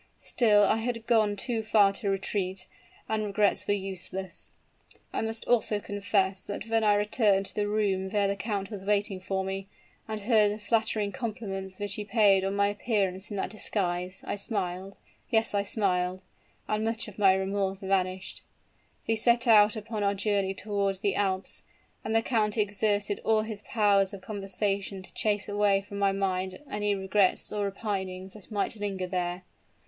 Still I had gone too far to retreat, and regrets were useless. I must also confess that when I returned to the room where the count was waiting for me, and heard the flattering compliments which he paid me on my appearance in that disguise, I smiled yes, I smiled, and much of my remorse vanished! "We set out upon our journey toward the Alps; and the count exerted all his powers of conversation to chase away from my mind any regrets or repinings that might linger there.